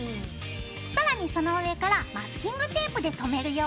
更にその上からマスキングテープでとめるよ。